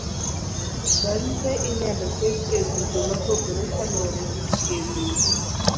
barupe inyalo ket e grube mopogore kaluwore gi chiegni